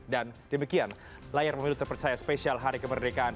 dan demikian layar memiliki percaya spesial hari kemerdekaan